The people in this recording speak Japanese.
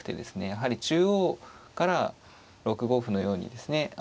やはり中央から６五歩のようにですね